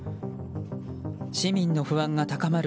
市民の不安が高まる